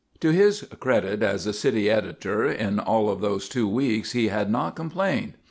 To his credit as a city editor, in all of those two weeks he had not complained.